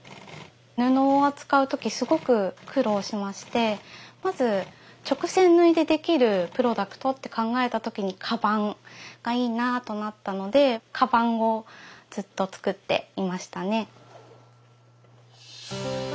布を扱う時すごく苦労しましてまず直線縫いでできるプロダクトって考えた時にかばんがいいなとなったのでかばんをずっと作っていましたね。